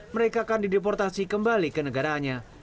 mereka akan dideportasi kembali ke negaranya